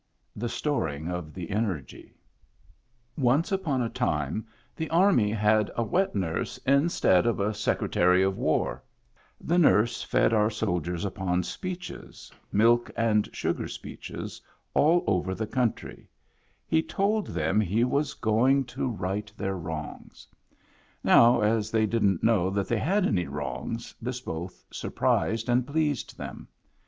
The Storing of the Energy Once upon a time the army had a wet nurse instead of a secretary of war. The nurse fed our soldiers upon speeches, milk and sugar speeches, aU over the country. He told them he was going 89 Digitized by VjOOQIC go MEMBERS OF THE FAMILY to right their wrongs. Now, as they didn't know that they had any wrongs, this both surprised and pleased them.